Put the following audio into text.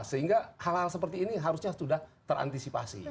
sehingga hal hal seperti ini harusnya sudah terantisipasi